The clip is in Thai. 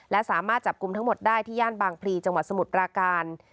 และสามารถจับกลุ่มทั้งหมดได้ที่ย่านบางพลีจังหวัดสมุทรปราการ